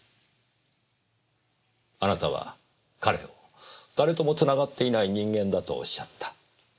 あなたは彼を誰ともつながっていない人間だとおっしゃった。